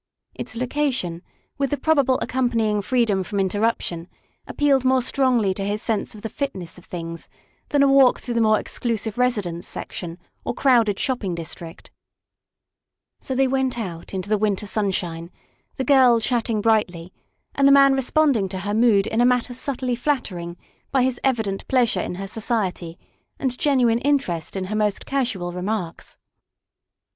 Its location, with the probable accompanying freedom from interruption, appealed more strongly to his sense of the fitness of things than a walk through the more exclusive residence section or crowded shopping district. THE SECRETARY OF STATE 191 So they went out into the winter sunshine, the girl chatting brightly, and the man responding to her mood in a manner subtly flattering by his evident pleasure in her society and genuine interest in her most casual remarks.